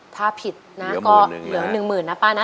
ถ้าผิดใช้หรือนึงหมื่นนะป้า